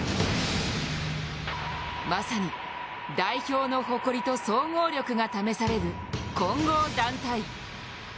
まさに代表の誇りと総合力が試される混合団体。